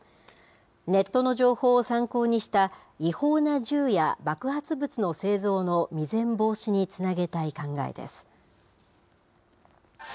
ネットの情報を参考にした違法な銃や爆発物の製造の未然防止につなげたい考えです。